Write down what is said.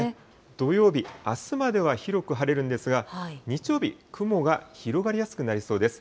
土曜日、あすまでは広く晴れるんですが、日曜日、雲が広がりやすくなりそうです。